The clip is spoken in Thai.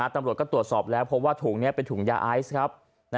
ตำรวจก็ตรวจสอบแล้วพบว่าถุงนี้เป็นถุงยาไอซ์ครับ